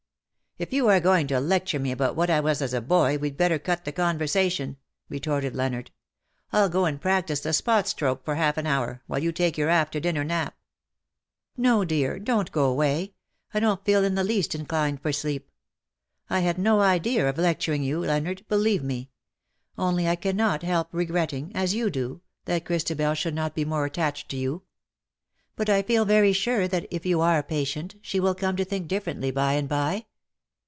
" If you are going to lecture me about what I was as a boy we^d better cut the conversation/^ retorted Leonard. " FU go and practise the spot stroke for half an hour,, while you take your after dinner nap.^"* " No^ dear, don 't go away. I don^t feel in the least inclined for sleep. I had no idea of lecturing you, Leonard, believe me ; only I cannot help regretting, as you do, that Christabel should not be more attached 93 to you. But I feel very sure that, if you are patient, she will come to think differently by and by."